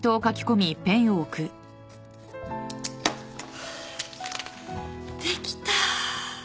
はぁできた。